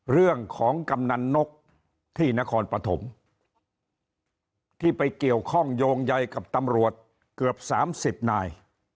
กำนันนกที่นครปฐมที่ไปเกี่ยวข้องโยงใยกับตำรวจเกือบ๓๐นาย